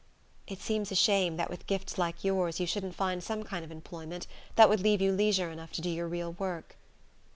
"It seems a shame that with gifts like yours you shouldn't find some kind of employment that would leave you leisure enough to do your real work...."